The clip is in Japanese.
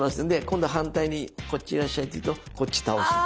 今度反対にこっちいらっしゃいと言うとこっち倒す。